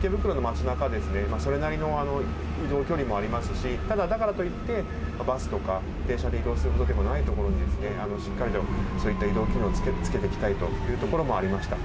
池袋の街なかは、それなりの移動距離もありますし、ただ、だからといって、バスとか、電車で移動するほどではない所に、しっかりとそういった移動機能をつけていきたいというところもありました。